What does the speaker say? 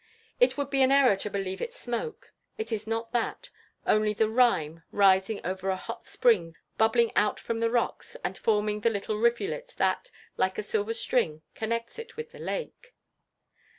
It would be an error to believe it smoke. It is not that only the rime rising over a hot spring bubbling out from the rocks and forming the little rivulet, that, like a silver string, connects it with the lake.